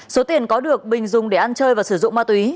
số tiền có được bình dùng để ăn chơi và sử dụng ma túy